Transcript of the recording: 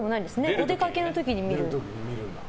お出かけの時に見る。